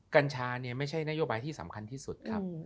กัญชาเนี่ยไม่ใช่นโยบายที่สำคัญที่สุดครับ